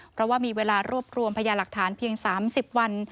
เพราะว่ามีเวลารวบรวมพยาหลักฐานเพียง๓๐วัน